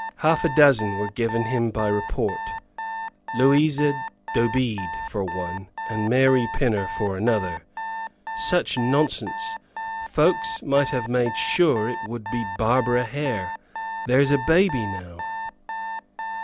Half a dozen were given him by report; Louisa Dobede for one, and Mary Pinner for another. Such nonsense! Folks might have made sure it would be Barbara Hare. There's a baby now."